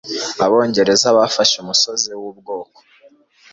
Abongereza bafashe Umusozi Wubwoko.